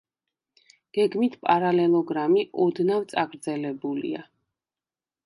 გეგმით პარალელოგრამი, ოდნავ წაგრძელებულია.